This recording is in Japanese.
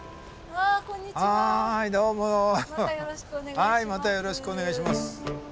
はいまたよろしくお願いします。